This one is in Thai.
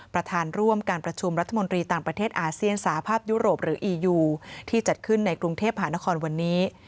ประธานร่วมการประชุมรัฐมนตรีต่างประเทศอาเซียนสหภาพยุโรปหรืออียูที่จัดขึ้นในกรุงเทพหานครวันนี้